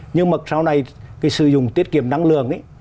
nhưng mà sau này cái sử dụng tiết kiệm năng lượng ấy